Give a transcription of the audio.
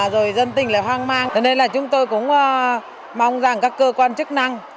rồi dân tình lại hoang mang cho nên là chúng tôi cũng mong rằng các cơ quan chức năng